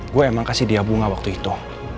gue emang kasih dia bunga waktu itu